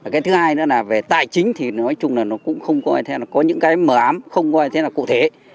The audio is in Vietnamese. cái thứ hai nữa là về tài chính thì nói chung là nó cũng không có ai theo nó có những cái mờ ám không có ai theo là cụ thể